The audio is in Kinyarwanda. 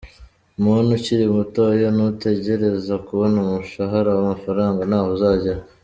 Muntu ukiri mutoya, nutegereza kubona umushahara w’amafaranga ntaho uzagera.